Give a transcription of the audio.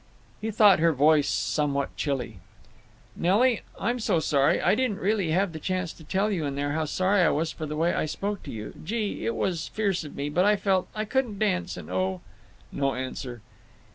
He thought her voice somewhat chilly. "Nelly—I'm so sorry—I didn't really have the chance to tell you in there how sorry I was for the way I spoke to you. Gee! it was fierce of me—but I felt—I couldn't dance, and—oh—" No answer.